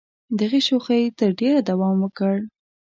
دغې شوخۍ تر ډېره دوام وکړ.